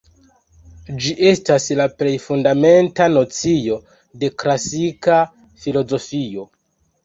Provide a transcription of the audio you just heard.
Ĝi estas la plej fundamenta nocio de klasika filozofio.